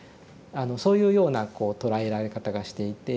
そういうようなこう捉えられ方がしていて。